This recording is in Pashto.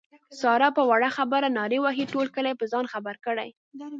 ساره په وړه خبره نارې وهي ټول کلی په ځان خبر کړي.